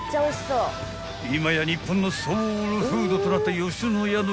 ［今や日本のソウルフードとなった野家の牛丼］